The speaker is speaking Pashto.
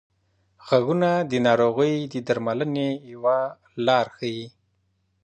غږونه د ناروغۍ د درملنې یوه لار ښيي.